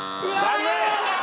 残念。